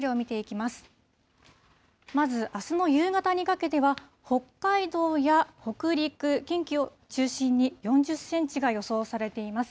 まずあすの夕方にかけては、北海道や北陸、近畿を中心に４０センチが予想されています。